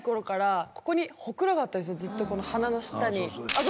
ずっと鼻の下に。